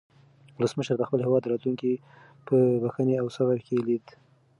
ولسمشر د خپل هېواد راتلونکی په بښنې او صبر کې لیده.